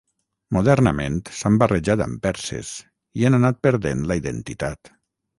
Modernament s'han barrejat amb perses i han anat perdent la identitat.